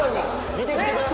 見てきてください。